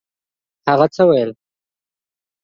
هغه څه ویل؟